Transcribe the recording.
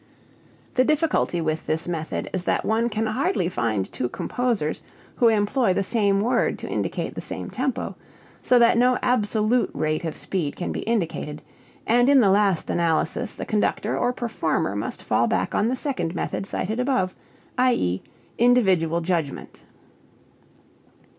The difficulty with this method is that one can hardly find two composers who employ the same word to indicate the same tempo, so that no absolute rate of speed can be indicated, and in the last analysis the conductor or performer must fall back on the second method cited above i.e., individual judgment.